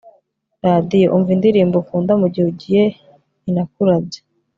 radiyo; umva indirimbo ukunda mugihe ugiye i nakulabye